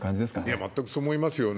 全くそう思いますよね。